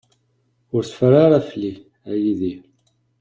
Ur teffer ara fell-i, a Yidir.